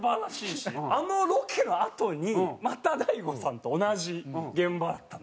あのロケのあとにまた大悟さんと同じ現場だったんですよ。